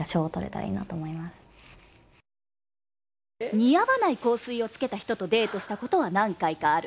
似合わない香水をつけた人とデートをしたことは何回かある。